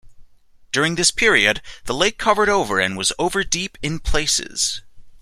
During this period, the lake covered over and was over deep in places.